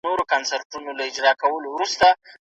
هغه نجلۍ په ما د ډيرو خلکو مخ خلاص کړئ